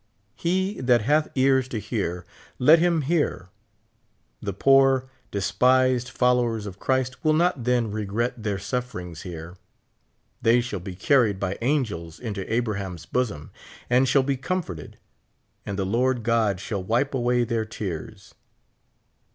Pie that hath ears to hear, let him hear. The poor, despised followers of Christ will not then regret their sufferings here ; they shall be carried by angels into Abraham's bosom, and shall be comforted ; and the Lord God shall wipe away their tears.